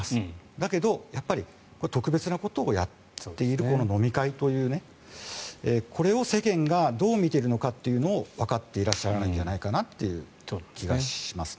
だけど、特別なことをやっているこの飲み会というこれを世間がどう見ているのかをわかっていらっしゃらないんじゃないかなという気がしますね。